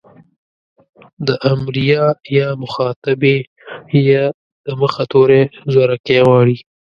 د امريه يا مخاطبې ئ د مخه توری زورکی غواړي.